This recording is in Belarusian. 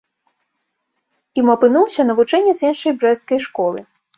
Ім апынуўся навучэнец іншай брэсцкай школы.